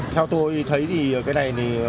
theo tôi thấy thì cái này